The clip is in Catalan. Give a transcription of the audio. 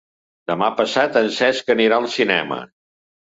Demà passat en Cesc anirà al cinema.